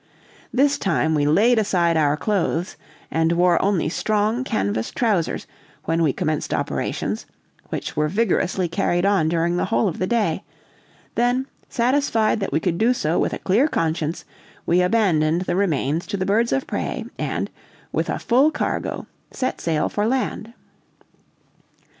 This time we laid aside our clothes and wore only strong canvas trousers when we commenced operations, which were vigorously carried on during the whole of the day; then, satisfied that we could do so with a clear conscience, we abandoned the remains to the birds of prey, and, with a full cargo, set sail for land.